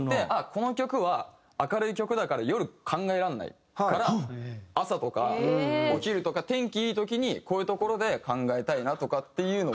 この曲は明るい曲だから夜考えられないから朝とかお昼とか天気いい時にこういうところで考えたいなとかっていうのを持っていって。